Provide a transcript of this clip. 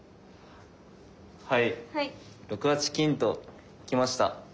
はい６八金ときました。